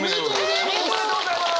おめでとうございます！